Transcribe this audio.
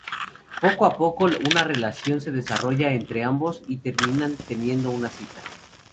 Poco a poco, una relación se desarrolla entre ambos y terminan teniendo una cita.